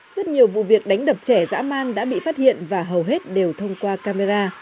rất nhiều vụ việc đánh đập trẻ dã man đã bị phát hiện và hầu hết đều thông qua camera